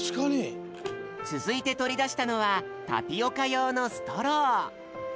つづいてとりだしたのはタピオカようのストロー。